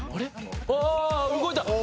あぁ動いた！